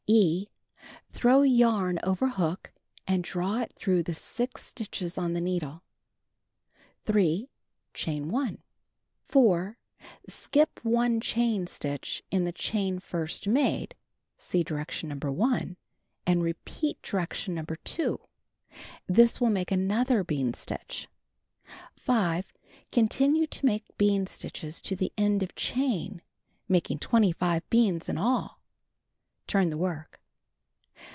(e) Throw yarn over hook, and draw it through the 6 stitches on the needle. 3. Chain 1. 4. Skip 1 chain stitch in the chain first made (see direction No. 1 above) and repeat direction No. 2. This will make another bean stitch. 5. Continue to make bean stitches to the end of chain, making 25 beans in all. Turn the work.